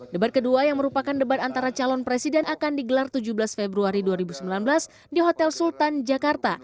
debat kedua yang merupakan debat antara calon presiden akan digelar tujuh belas februari dua ribu sembilan belas di hotel sultan jakarta